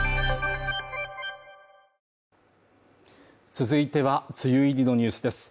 続いては、梅雨入りのニュースです。